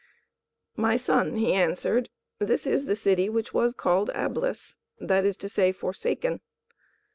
"My son," he answered, "this is the city which was called Ablis, that is to say, Forsaken.